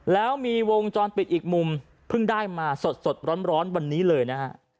แล้วมีวงจรปิดอีกมุมเพิ่งได้มาสดร้อนวันนี้เลยนะฮะ